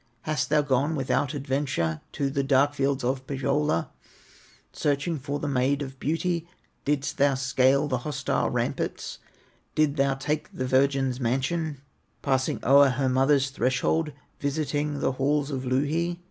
Hast thou gone without adventure To the dark fields of Pohyola, Searching for the Maid of Beauty? Didst thou scale the hostile ramparts, Didst thou take the virgin's mansion, Passing o'er her mother's threshold, Visiting the halls of Louhi?